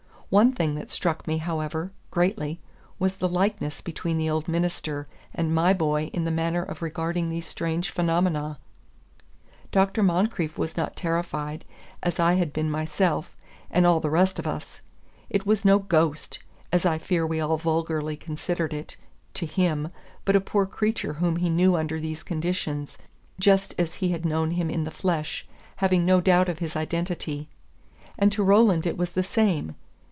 One thing that struck me, however, greatly, was the likeness between the old minister and my boy in the manner of regarding these strange phenomena. Dr. Moncrieff was not terrified, as I had been myself, and all the rest of us. It was no "ghost," as I fear we all vulgarly considered it, to him, but a poor creature whom he knew under these conditions, just as he had known him in the flesh, having no doubt of his identity. And to Roland it was the same.